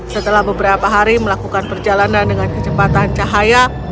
setelah beberapa hari melakukan perjalanan dengan kecepatan cahaya